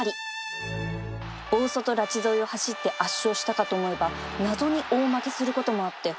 大外ラチ沿いを走って圧勝したかと思えば謎に大負けすることもあって